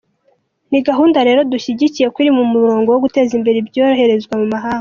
Ni gahunda rero dushyigikiye kuko iri mu murongo wo guteza imbere ibyoherezwa mu mahanga”.